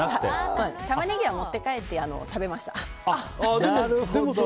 タマネギは持って帰って食べました。